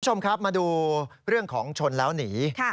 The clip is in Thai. คุณผู้ชมครับมาดูเรื่องของชนแล้วหนี